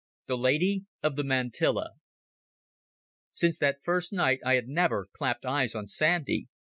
The Lady of the Mantilla Since that first night I had never clapped eyes on Sandy.